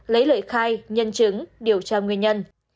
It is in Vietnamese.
lấy lời khai nhân chứng điều tra nguyên nhân